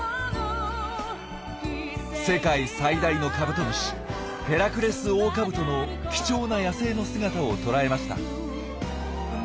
世界最大のカブトムシヘラクレスオオカブトの貴重な野生の姿を捉えました。